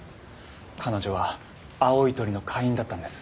彼女は青い鳥の会員だったんです。